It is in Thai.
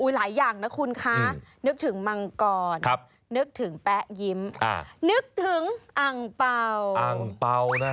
หลายอย่างนะคุณคะนึกถึงมังกรนึกถึงแป๊ะยิ้มนึกถึงอังเป่าอังเป่านะ